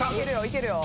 いけるよ。